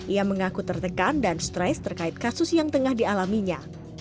ia mengaku tertekan dan stres terkait kasus yang tengah dialaminya